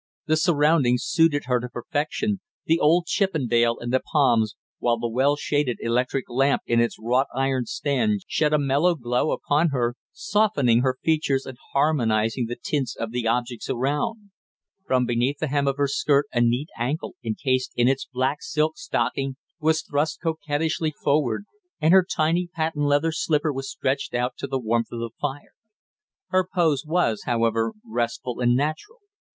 The surroundings suited her to perfection the old Chippendale and the palms, while the well shaded electric lamp in its wrought iron stand shed a mellow glow upon her, softening her features and harmonising the tints of the objects around. From beneath the hem of her skirt a neat ankle encased in its black silk stocking was thrust coquettishly forward, and her tiny patent leather slipper was stretched out to the warmth of the fire. Her pose was, however, restful and natural.